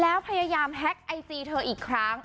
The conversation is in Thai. แล้วพยายามแฮ็กไอจีเธออีกครั้ง